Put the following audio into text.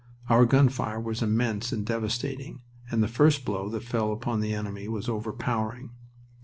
Our gun fire was immense and devastating, and the first blow that fell upon the enemy was overpowering.